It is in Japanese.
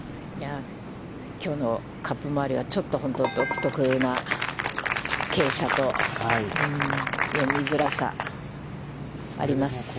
きょうのカップ周りはちょっと独特な傾斜と、読みづらさ、あります。